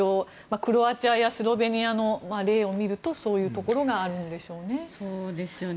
クロアチアやスロベニアの例を見るとそういうところがあるんでしょうね。